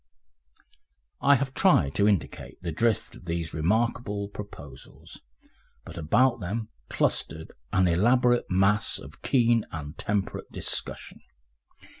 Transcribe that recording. I have tried to indicate the drift of these remarkable proposals, but about them clustered an elaborate mass of keen and temperate discussion.